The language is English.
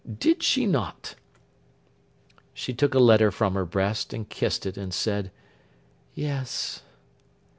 Did she not?' She took a letter from her breast, and kissed it, and said 'Yes.